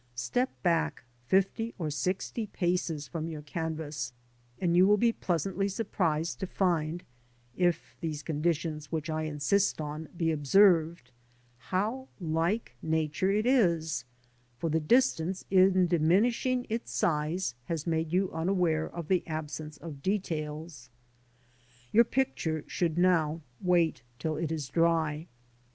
Step back fifty or sixty paces from your canvas, and you will be pleasantly surprised to find (if these conditions which I insist on be observed) how like Nature it is, for the distance in diminishing its size has made you unaware of the absence of details. Your picture should now wait till it is dry.